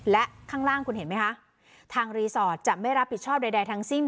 และข้างล่างคุณเห็นไหมคะทางรีสอร์ทจะไม่รับผิดชอบใดทั้งสิ้น